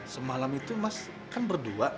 semalam itu mas kan berdua